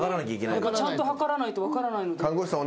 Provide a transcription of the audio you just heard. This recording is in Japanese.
ちゃんと測らないと分からないので。